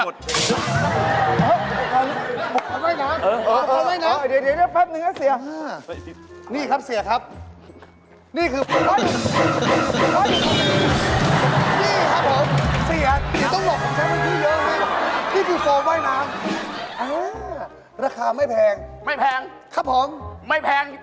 ดีเซลหรือเบนซิลเหรอครับน้ำมันตะเกียง